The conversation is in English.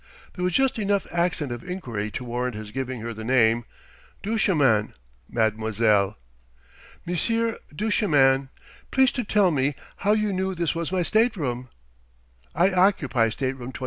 There was just enough accent of enquiry to warrant his giving her the name: "Duchemin, mademoiselle." "Monsieur Duchemin.... Please to tell me how you knew this was my stateroom?" "I occupy Stateroom 29.